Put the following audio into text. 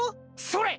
それ！